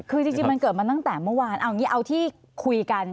คือจริงมันเกิดมาตั้งแต่เมื่อวานเอาที่คุยกัน